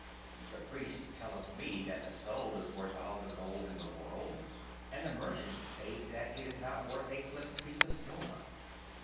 The Priest telleth me that the soul is worth all the gold in the world, and the merchants say that it is not worth a clipped piece of silver.